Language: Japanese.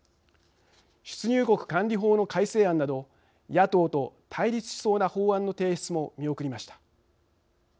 出入国管理法の改正案など野党と対立しそうな法案の提出も見送りました。